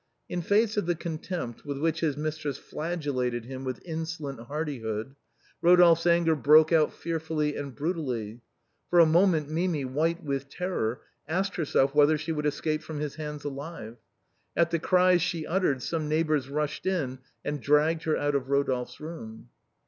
In face of the con tempt with which his mistress flagellated him with insolent hardihood, Rodolphe's anger broke out fearfully and bru tally. For a moment Mimi, white with terror, asked her self whether she would escape from his hands alive. At 178 THE BOHEMIANS OF THE LATIN QUARTER. the cries she uttered some neighbors rushed in and dragged her out of Rodolphe's room.